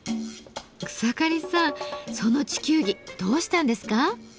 草刈さんその地球儀どうしたんですか？